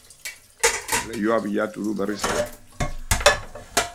Leihoa bilatu du berriz ere.